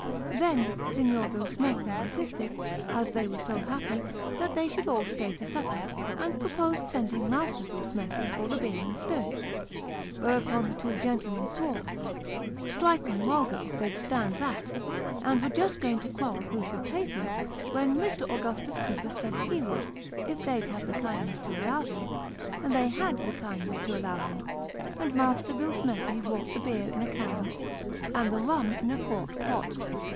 Then, Signor Billsmethi insisted as they were so happy, that they should all stay to supper, and proposed send ing Master Billsmethi for the beer and spirits, whereupon the two gentlemen swore, " strike 'em wulgar if they'd stand that ;" and were Augustus Cooper gets on. 193 just going to quarrel who should pay for it, when Mr. Augustus Cooper said he would, if they'd have the kindness to allow him and they had the kindness to allow him ; and Master Billsmethi brought the beer in a can, and the rum in a quart pot.